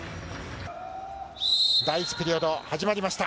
第１ピリオド始まりました